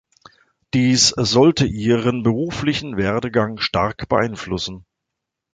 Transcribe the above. Dies sollte ihren beruflichen Werdegang stark beeinflussen.